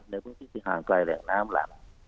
ในพื้นที่ที่ห่างไกลแหล่งน้ำหลัก